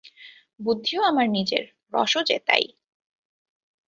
বুদ্ধিও আমার নিজের, রসও যে তাই।